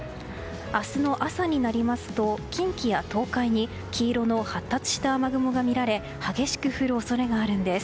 明日の朝になりますと近畿や東海に黄色の発達した雨雲が見られ激しく降る恐れがあるんです。